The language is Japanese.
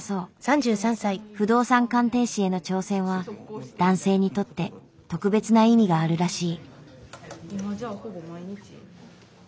不動産鑑定士への挑戦は男性にとって特別な意味があるらしい。